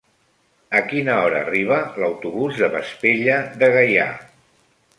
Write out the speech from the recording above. A quina hora arriba l'autobús de Vespella de Gaià?